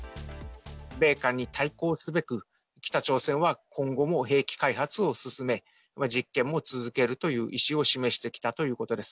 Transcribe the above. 米韓に対抗すべく、北朝鮮は今後も兵器開発を進め、実験も続けるという意思を示してきたということです。